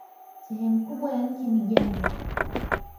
Sehemu kubwa ya nchi ni jangwa.